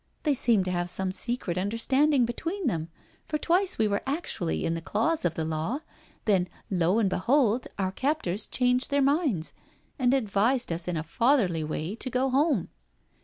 They seemed to have some secret understanding between them, for twice we were actually in the claws of the law, when lo and behold our cajp tors changed their min^s and advised us in a fatherly way to go home."